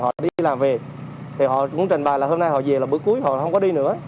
họ đi làm về thì họ cũng trình bài là hôm nay họ về là bữa cuối họ không có đi nữa